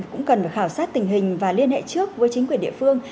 cũng cần khảo sát tình hình và liên hệ trước với chính quyền địa phương